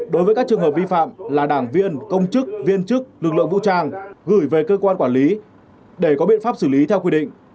đối với các trường hợp vi phạm là đảng viên công chức viên chức lực lượng vũ trang gửi về cơ quan quản lý để có biện pháp xử lý theo quy định